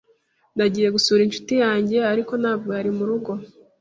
Nagiye gusura inshuti yanjye, ariko ntabwo yari murugo.